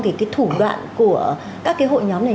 cái thủ đoạn của các cái hội nhóm này